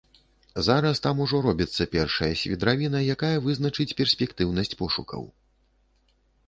Зараз там ужо робіцца першая свідравіна, якая вызначыць перспектыўнасць пошукаў.